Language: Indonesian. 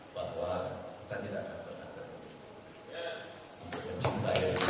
bahwa kita tidak akan beradab